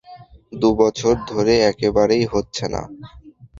দু বছর ধরে একেবারেই হচ্ছে না।